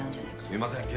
すみません。